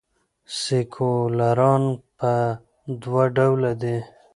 سیکولران پر دوه ډوله دي.